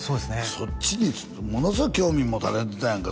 そっちにものすごい興味持たれてたやんか